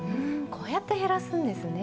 こうやって減らすんですね。